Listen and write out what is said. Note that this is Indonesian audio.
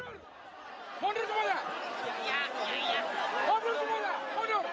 mundur semuanya mundur semuanya mundur